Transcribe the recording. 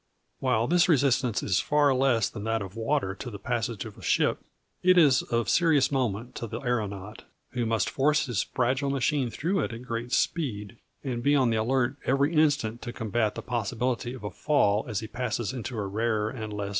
While this resistance is far less than that of water to the passage of a ship, it is of serious moment to the aeronaut, who must force his fragile machine through it at great speed, and be on the alert every instant to combat the possibility of a fall as he passes into a rarer and less buoyant stratum.